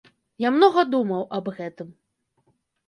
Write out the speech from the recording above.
Я многа думаў аб гэтым.